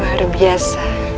wah luar biasa